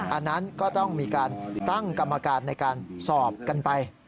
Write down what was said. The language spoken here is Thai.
อันนั้นก็ต้องมีการตั้งกรรมการในการสอบกันไป